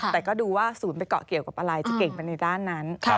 แต่ก็ดูว่าศูนย์ไปเกาะเกี่ยวกับอะไรจะเก่งไปในด้านนั้น